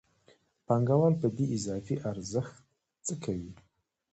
پانګوال په دې اضافي ارزښت څه کوي